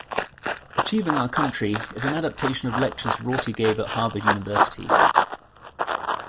"Achieving Our Country" is an adaptation of lectures Rorty gave at Harvard University.